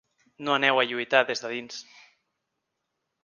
No aneu a lluitar des de dins.